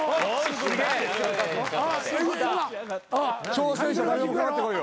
挑戦者誰でもかかってこいよ。